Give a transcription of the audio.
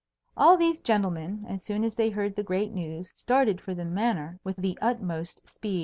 All these gentlemen, as soon as they heard the great news, started for the Manor with the utmost speed.